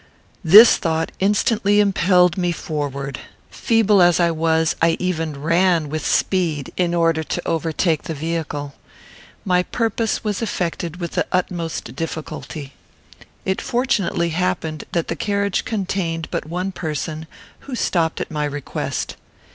This thought instantly impelled me forward. Feeble as I was, I even ran with speed, in order to overtake the vehicle. My purpose was effected with the utmost difficulty. It fortunately happened that the carriage contained but one person, who stopped at my request.